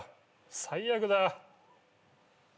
最悪だ。